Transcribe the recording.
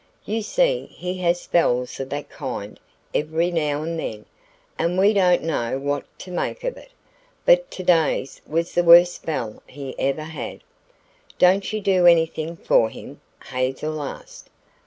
"You see he has spells of that kind every now and then, and we don't know what to make of it. But today's was the worst spell he ever had." "Don't you do anything for him?" Hazel asked.